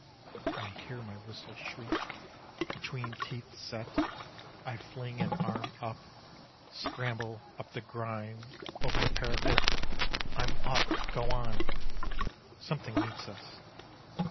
I hear my whistle shriek, Between teeth set; I fling an arm up, Scramble up the grime Over the parapet! I'm up. Go on. Something meets us.